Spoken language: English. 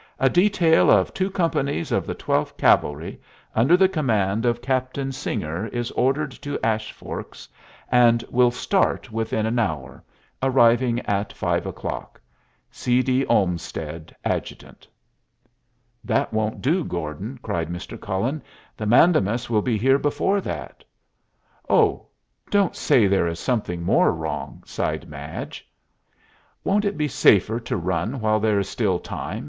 "A detail of two companies of the Twelfth Cavalry, under the command of Captain Singer, is ordered to Ash Forks, and will start within an hour, arriving at five o'clock. C. D. OLMSTEAD, Adjutant." "That won't do, Gordon," cried Mr. Cullen. "The mandamus will be here before that." "Oh, don't say there is something more wrong!" sighed Madge. "Won't it be safer to run while there is still time?"